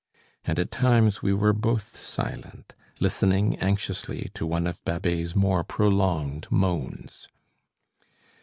And at times we were both silent, listening anxiously to one of Babet's more prolonged moans.